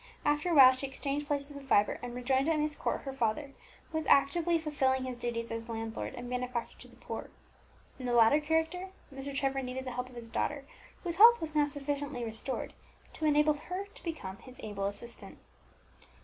After a while she exchanged places with Vibert, and rejoined at Myst Court her father, who was actively fulfilling his duties as a landlord and benefactor to the poor. In the latter character Mr. Trevor needed the help of his daughter, whose health was now sufficiently restored to enable her to become his able assistant.